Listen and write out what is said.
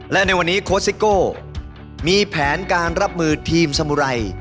และในวันนี้โค้ชซิโก้มีแผนการรับมือทีมสมุไร